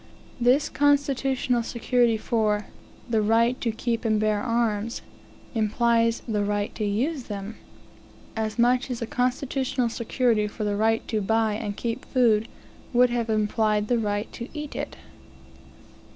This constitutional security for "the right to keep and bear arms," implies the right to use them as much as a constitutional security for the right to buy and keep food would have implied the right to eat it.